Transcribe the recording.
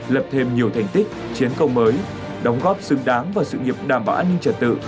lập thêm nhiều thành tích chiến công mới đóng góp xứng đáng vào sự nghiệp đảm bảo an ninh trật tự